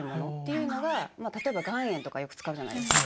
まあ例えば岩塩とかよく使うじゃないですか。